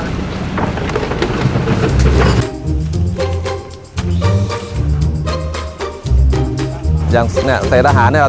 ถังเดียวเขาก็ใส่ทุกสิ่งทุกอย่างรวมกันเลยเราก็ต้องเก็บไปแบบนั้นนะครับ